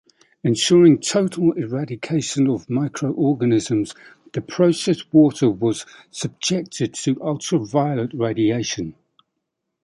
Ensuring total eradication of microorganisms, the processed water was subjected to ultraviolet radiation.